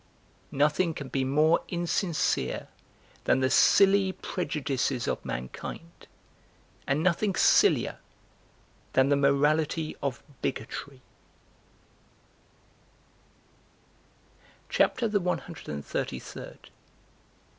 "Nothing can be more insincere than the silly prejudices of mankind, and nothing sillier than the morality of bigotry," CHAPTER THE ONE HUNDRED AND THIRTY THIRD.